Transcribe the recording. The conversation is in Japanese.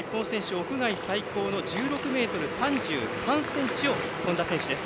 屋外最長の１６ｍ３３ｃｍを跳んだ選手。